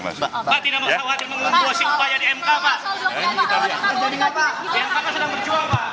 masih tidak menguasai upaya di mkp nya kita jadi ngapain ya pak